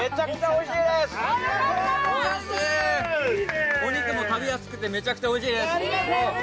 お肉も食べやすくてめちゃくちゃおいしいです。